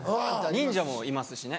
忍者もいますしね。